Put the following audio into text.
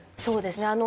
そうですね。